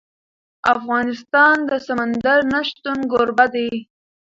افغانستان د سمندر نه شتون کوربه دی.